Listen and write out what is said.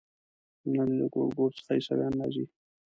د نړۍ له ګوټ ګوټ څخه عیسویان راځي.